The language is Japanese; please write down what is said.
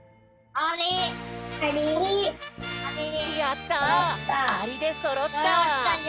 「あり」でそろった！